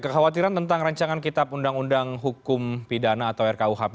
kekhawatiran tentang rancangan kitab undang undang hukum pidana atau rkuhp